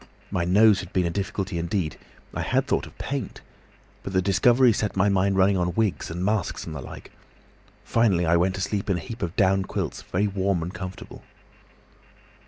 My nose had been a difficulty indeed—I had thought of paint. But the discovery set my mind running on wigs and masks and the like. Finally I went to sleep in a heap of down quilts, very warm and comfortable.